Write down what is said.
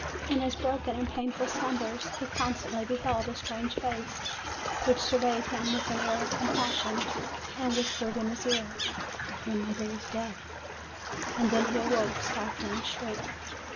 In his broken and painful slumbers he constantly beheld a strange face, which surveyed him with an air of com passion, and whispered in his ear, "Your mother is dead!" And then he awoke, stifling a shriek.